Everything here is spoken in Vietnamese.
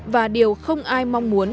và điều không ai mong muốn